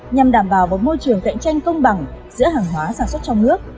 nhằm đảm bảo một môi trường cạnh tranh công bằng giữa hàng hóa sản xuất trong nước